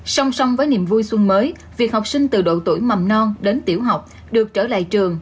song song với niềm vui xuân mới việc học sinh từ độ tuổi mầm non đến tiểu học được trở lại trường